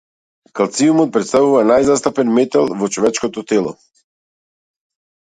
Калциумот претставува најзастапен метал во човечкото тело.